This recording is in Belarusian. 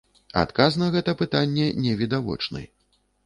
Адказ на гэта пытанне невідавочны.